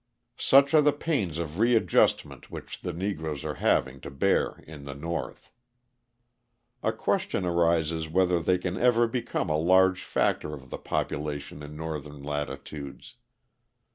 Such are the pains of readjustment which the Negroes are having to bear in the North. A question arises whether they can ever become a large factor of the population in Northern latitudes.